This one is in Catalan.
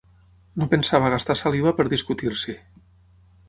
No pensava gastar saliva per discutir-s'hi.